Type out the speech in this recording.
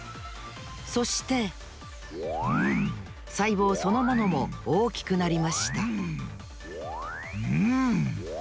そしてさいぼうそのものも大きくなりましたんん！